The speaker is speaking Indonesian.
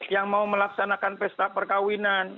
yang mau melaksanakan pesta perkawinan